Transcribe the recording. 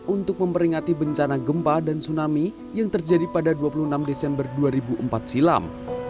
untuk memperingati bencana gempa dan tsunami yang terjadi pada dua puluh enam desember dua ribu empat silam